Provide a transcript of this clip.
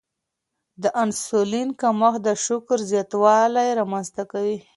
د انسولین کمښت د شکر زیاتوالی رامنځته کوي.